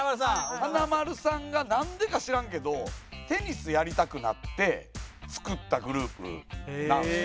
華丸さんがなんでか知らんけどテニスやりたくなって作ったグループなんですよ。